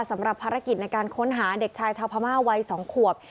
สำหรับภารกิจในการค้นหาเด็กชายชาวพม่าวัย๒ขวบ